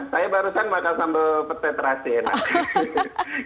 saya barusan makan sambal peta terasi enak